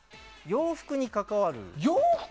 洋服に関わる。